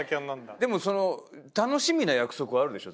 でも楽しみな約束はあるでしょ？